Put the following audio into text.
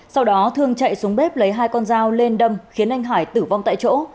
sau đó thương chạy xuống bếp lấy hai con dao lên đâm khiến anh hải tử vong tại chỗ